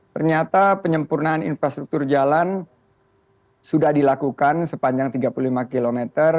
ternyata penyempurnaan infrastruktur jalan sudah dilakukan sepanjang tiga puluh lima km